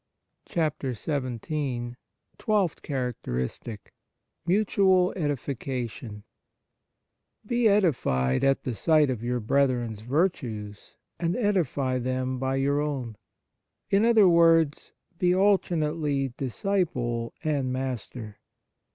XVII TWELFTH CHARACTERISTIC Mutual Edification BE edified at the sight of your brethren s virtues, and edify them by your own. In other words, be alternately disciple and master.